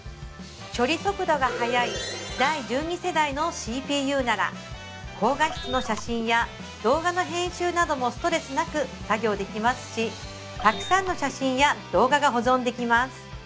処理速度が速い第１２世代のＣＰＵなら高画質の写真や動画の編集などもストレスなく作業できますしたくさんの写真や動画が保存できます